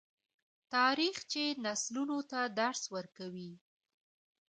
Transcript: تاریخ چې نسلونو ته درس ورکوي.